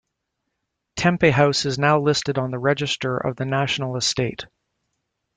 Tempe House is now listed on the Register of the National Estate.